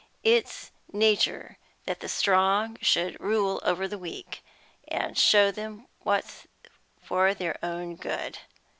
It's nature that the strong should rule over the weak, and show them what's for their own good.